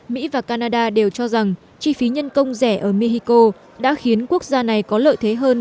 mỹ và canada đều cho rằng chi phí nhân công rẻ ở mexico đã khiến quốc gia này có lợi thế hơn